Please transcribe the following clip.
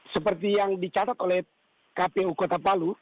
seperti yang dicatat oleh kpu kota palu